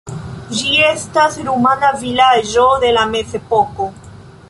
Ĝi estas rumana vilaĝo de la mezepoko.